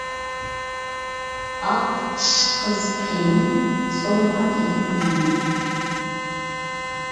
-ئاق چىش قىز قېنى؟ -سورىغان ئىدىم ئۇنىڭدىن.